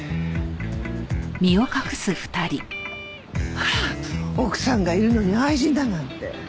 あ奥さんがいるのに愛人だなんて。